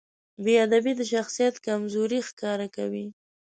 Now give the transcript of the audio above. بېادبي د شخصیت کمزوري ښکاره کوي.